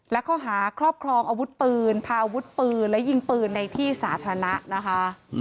และข้อหาครอบครองอาวุธปืนพาอาวุธปืนและยิงปืนในที่สาธารณะนะคะ